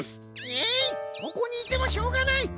えいここにいてもしょうがない！